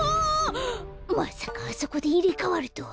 まさかあそこでいれかわるとは。